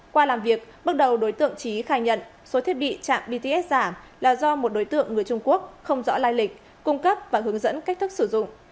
qua làm việc bước đầu đối tượng trí khai nhận số thiết bị chạm bts giả là do một đối tượng người trung quốc không rõ lai lịch cung cấp và hướng dẫn cách thức sử dụng